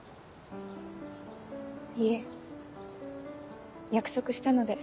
いえ約束したので。